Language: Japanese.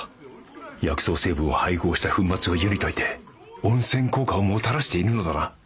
薬草成分を配合した粉末を湯に溶いて温泉効果をもたらしているのだな